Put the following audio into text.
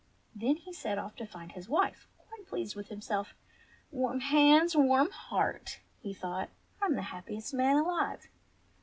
Then he set off to find his wife, quite pleased with himself. "Warm hands, warm heart !" he thought. "I'm the happiest man alive